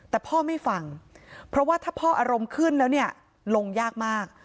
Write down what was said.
แต่พ่อไม่ฟังเพราะว่าถ้าพ่ออารมณ์ขึ้นแล้วเนี่ยลงยากมาก